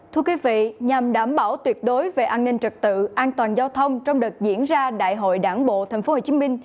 thưa quý vị nhằm đảm bảo tuyệt đối về an ninh trật tự an toàn giao thông trong đợt diễn ra đại hội đảng bộ tp hcm